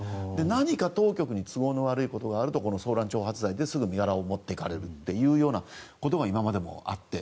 何か、当局に都合の悪いことがあると騒乱挑発罪ですぐ身柄を持っていかれることが今までもあって。